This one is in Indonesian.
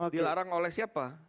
dilarang oleh siapa